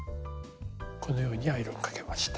このようにアイロンかけました。